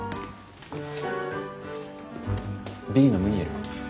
Ｂのムニエル。